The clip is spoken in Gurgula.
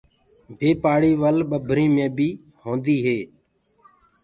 بي پآڙيِ ول ٻڀري مي بي هوندي هي۔